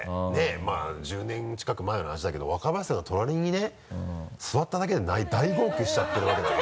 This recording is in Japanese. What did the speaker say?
まぁ１０年近く前の話だけど若林さんが隣にね座っただけで大号泣しちゃってるわけだから。